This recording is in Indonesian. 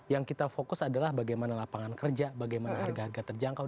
yang kita fokus adalah bagaimana lapangan kerja bagaimana harga harga terjangkau